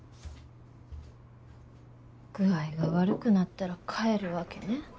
具合が悪くなったら帰るわけね。